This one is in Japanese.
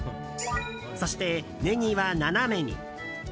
そしてネギは斜めに。